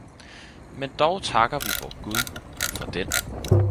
Men dog takker vi vor gud for den